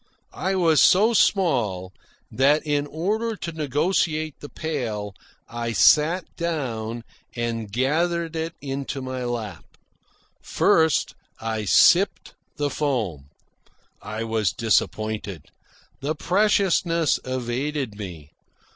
I was so small that, in order to negotiate the pail, I sat down and gathered it into my lap. First I sipped the foam. I was disappointed. The preciousness evaded me.